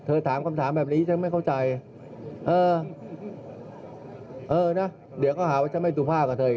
เออนะเดี๋ยวเขาหาว่าจะไม่ถูกภาพกับเธอ